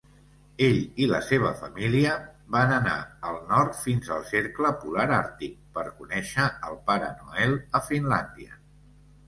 Ell i la seva família van anar al nord fins al cercle polar àrtic per conèixer el Pare Noel a Finlàndia.